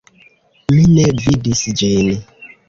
Mi ne vidis ĝin.